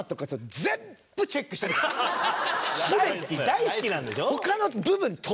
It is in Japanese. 大好きなんでしょ？